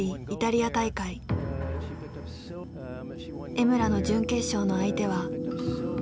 江村の準決勝の相手は。